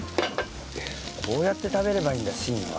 こうやって食べればいいんだ芯は。